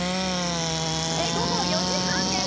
午後４時半です。